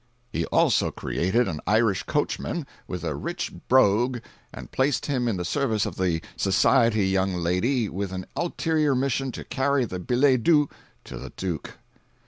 He also created an Irish coachman with a rich brogue and placed him in the service of the society young lady with an ulterior mission to carry billet doux to the Duke.